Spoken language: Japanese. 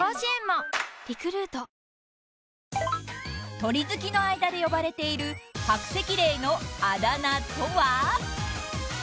［鳥好きの間で呼ばれているハクセキレイのあだ名とは？］